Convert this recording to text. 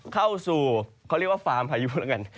เข้าสู่เขาเรียกว่าฟาร์มพายุแล้วกัน